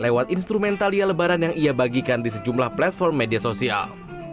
lewat instrumen thalia lebaran yang ia bagikan di sejumlah platform media sosial